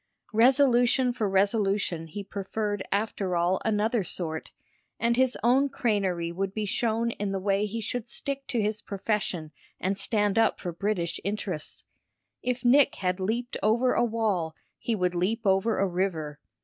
Resolution for resolution he preferred after all another sort, and his own crânerie would be shown in the way he should stick to his profession and stand up for British interests. If Nick had leaped over a wall he would leap over a river.